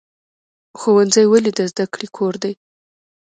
ښوونځی ولې د زده کړې کور دی؟